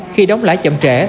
khi đóng lãi chậm trễ